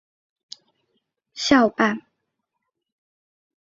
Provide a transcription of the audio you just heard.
她在那里参与创办了三桥学校。